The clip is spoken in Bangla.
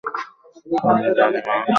আমি জানি, মা।